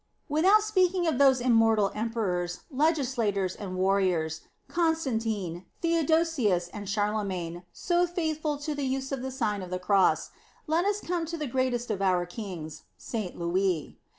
Without speaking of those immortal emperors, legislators, and warriors, Constan tine, Theodosius and Charlemagne, so faith o ful to the use of the Sign of the Cross, let us come to the greatest of our kings, St. Louis.